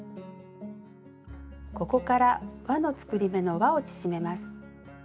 ここから「わの作り目」のわを縮めます。